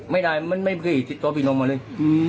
ไม่ได้มันไม่เคยติดตัวพี่นมมาเลย